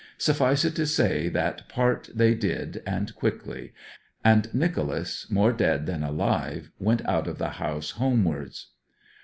Suffice it to say that part they did, and quickly; and Nicholas, more dead than alive, went out of the house homewards.